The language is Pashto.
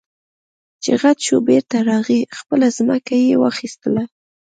چې غټ شو بېرته راغی خپله ځمکه يې واخېستله.